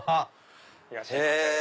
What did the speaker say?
いらっしゃいませ。